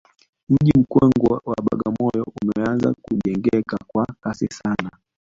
mji mkongwe wa bagamoyo umeanza kujengeka kwa kasi sana